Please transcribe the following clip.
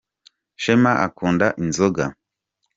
shema akunda inzoga.